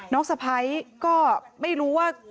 น้องสะพายก็ไม่รู้ว่า